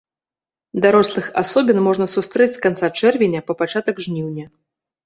Дарослых асобін можна сустрэць з канца чэрвеня па пачатак жніўня.